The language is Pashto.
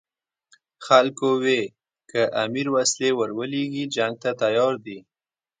خلکو ویل که امیر وسلې ورولېږي جنګ ته تیار دي.